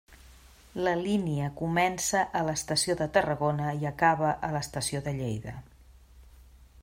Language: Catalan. La línia comença a l'estació de Tarragona i acabava a l'estació de Lleida.